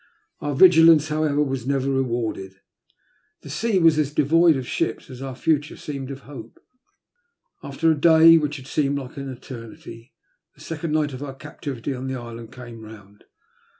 Oar vigilancoi however, was never rewarded — the sea was as devoid of ships as our future seemed of hope. After a day which had seemed an eternity, the second night of our captivity on the island came round.